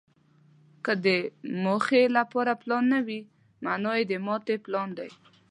که د موخې لپاره پلان نه وي، مانا یې د ماتې پلان دی.